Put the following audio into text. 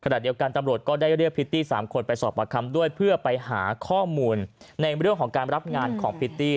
ขณะเดียวกันตำรวจก็ได้เรียกพริตตี้๓คนไปสอบประคัมด้วยเพื่อไปหาข้อมูลในเรื่องของการรับงานของพิตตี้